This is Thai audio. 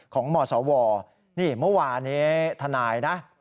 ของหมอสาวอ๋อมัววานนี้ฐานายนะ